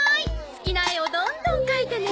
好きな絵をどんどん描いてね。